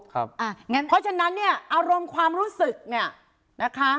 ครับอ่างั้นเพราะฉะนั้นเนี้ยอารมณ์ความรู้สึกเนี้ยนะคะ